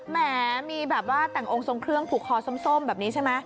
แหม่มีแบบว่าแต่งองค์ส่งเครื่องแบบนี้ใช่ไหม